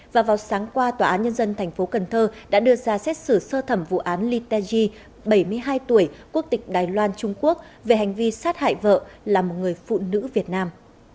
và vào sáng qua tòa án nhân dân tp cn đã đưa ra xét xử sơ thẩm vụ án li teji bảy mươi hai tuổi quốc tịch đài loan trung quốc về hành vi sát hại vợ là một người phụ nữ việt nam